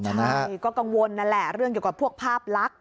ใช่ก็กังวลนั่นแหละเรื่องเกี่ยวกับพวกภาพลักษ